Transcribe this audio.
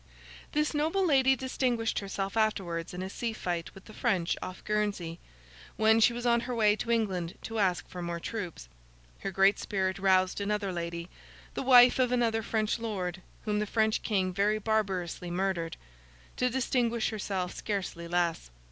This noble lady distinguished herself afterwards in a sea fight with the French off Guernsey, when she was on her way to England to ask for more troops. Her great spirit roused another lady, the wife of another French lord (whom the French King very barbarously murdered), to distinguish herself scarcely less.